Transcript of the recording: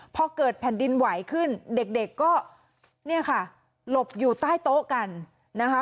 พอเกิดแผ่นดินไหวขึ้นเด็กก็เนี่ยค่ะหลบอยู่ใต้โต๊ะกันนะคะ